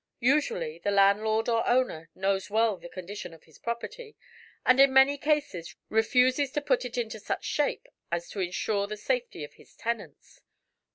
Usually the landlord or owner knows well the condition of his property and in many cases refuses to put it into such shape as to insure the safety of his tenants.